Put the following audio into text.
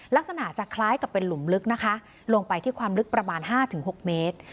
ลักษณะจะคล้ายกับเป็นหลุมลึกนะคะลงไปที่ความลึกประมาณ๕๖เมตร